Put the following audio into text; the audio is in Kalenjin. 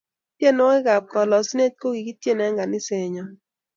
Tienwokik ab kalasunet kokikitien eng kaniset nyon